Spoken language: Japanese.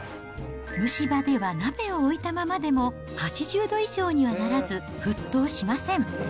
蒸し場では鍋を置いたままでも８０度以上にはならず、沸騰しません。